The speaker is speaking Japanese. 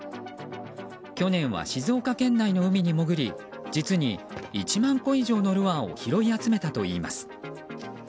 去年は静岡県内の海に潜り実に１万個以上のルアーを拾い集めたといいます。